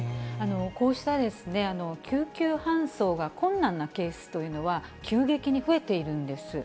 こうした救急搬送が困難なケースというのは、急激に増えているんです。